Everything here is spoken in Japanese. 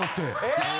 え？